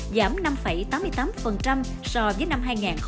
giảm năm tám mươi tám so với năm hai nghìn một mươi bảy